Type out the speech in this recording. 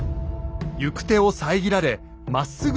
行く手を遮られまっすぐ進めません。